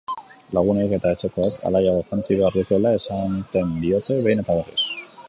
Lagunek eta etxekoek alaiago jantzi behar lukeela esaten diote, behin eta berriz.